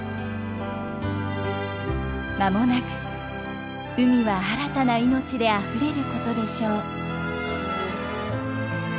まもなく海は新たな命であふれることでしょう。